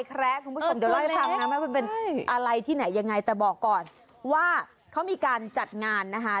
มันไม่ได้โกรธมันเป็นอะไรที่ไหนยังไงแต่บอกก่อนว่าเขามีการจัดงานนะฮะ